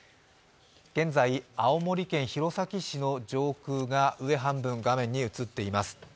現在、青森県弘前市の上空が上半分の画面に映っています。